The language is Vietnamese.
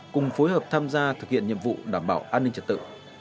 cùng phối hợp tham gia thực hiện nhiệm vụ đảm bảo an ninh trật tự